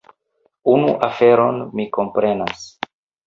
Unu aferon mi komprenas.